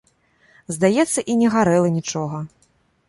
Здаецца, і не гарэла нічога.